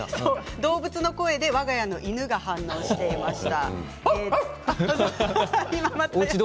動物の声でわが家の犬が反応していました。